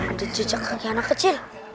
ada jejak kaki anak kecil